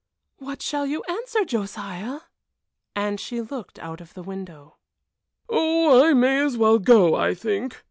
"What shall you answer, Josiah?" and she looked out of the window. "Oh, I may as well go, I think.